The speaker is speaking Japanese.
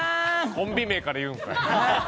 コンビ名から言うんかい。